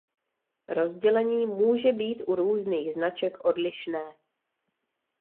Rozdělení může být u různých značek odlišné.